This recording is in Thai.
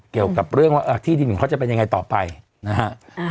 เกี่ยวกับเรื่องว่าที่ดินของเขาจะเป็นยังไงต่อไปนะฮะ